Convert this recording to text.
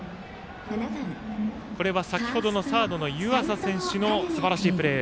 先程のサードの湯浅選手のすばらしいプレー